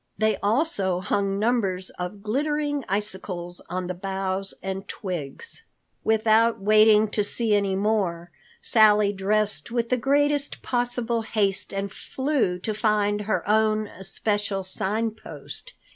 They also hung numbers of glittering icicles on the boughs and twigs. Without waiting to see any more, Sally dressed with the greatest possible haste and flew to find her own especial Sign Post.